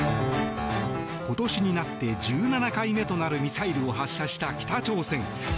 今年になって１７回目となるミサイルを発射した北朝鮮。